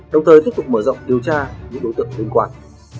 đồng thời tiếp tục mở rộng điều tra những đối tượng liên quan